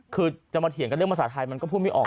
คือจะมาเถียงกับเรื่องภาษาไทยมันก็พูดไม่ออก